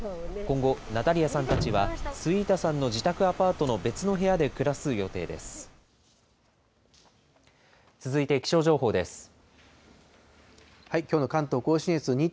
今後、ナタリヤさんたちは、スウィータさんの自宅アパートの別の部屋で暮らす予定です。